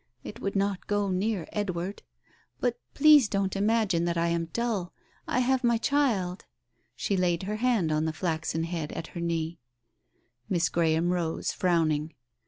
It would not go near Edward. ... But please don't imagine that I am dull I I have my child." She laid her hand on the flaxen head at her knee. Miss Graham rose, frowning.